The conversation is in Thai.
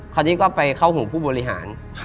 คราวนี้ก็ไปเข้าหูผู้บริหาร